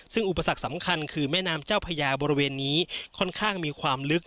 ซึ่งอุปสรรคสำคัญคือแม่น้ำเจ้าพญาบริเวณนี้ค่อนข้างมีความลึก